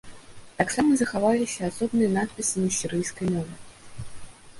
Таксама захаваліся асобныя надпісы на сірыйскай мове.